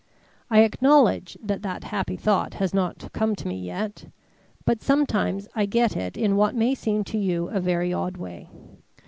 I acknowledge that that happy thought has not come to me yet, but sometimes I get it in what may seem to you a very odd way.